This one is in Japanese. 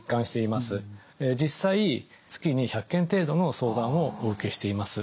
実際月に１００件程度の相談をお受けしています。